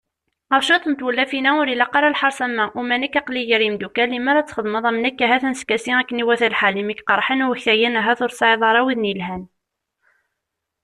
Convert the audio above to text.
Ɣef cwiṭ n tewlafin-a, ur ilaq ara lḥerṣ am wa, uma nekk aql-i gar yimeddukal, lemmer ad d-txedmeḍ am nekk, ahat ad neskasi akken iwata lḥal, imi k-qerḥen waktayen ahat ur tesɛiḍ ara widen yelhan ?